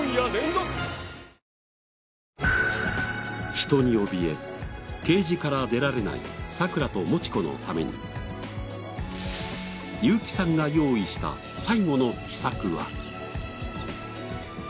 人におびえケージから出られない桜ともち子のためにユーキさんが用意した最後の秘策は？